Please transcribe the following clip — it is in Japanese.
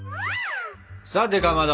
さてかまど。